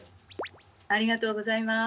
ありがとうございます。